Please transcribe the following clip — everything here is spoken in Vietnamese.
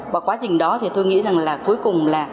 và quá trình đó thì tôi nghĩ rằng là cuối cùng là